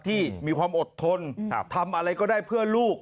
ที่มีความอดทนทำอะไรก็ได้เพื่อลูก